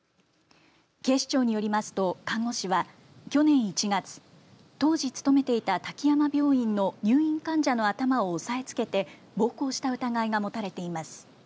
警視庁によりますと看護師は去年１月当時勤めていた滝山病院の入院患者の頭を押さえつけて暴行した疑いが持たれています。